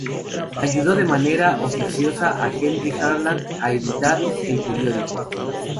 Ayudó de manera oficiosa a Henry Harland a editar el periódico.